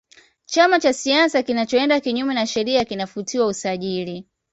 chama cha siasa kinachoenda kinyume na sheria kinafutiwa usajili